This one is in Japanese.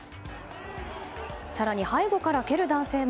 更に背後から蹴る男性も。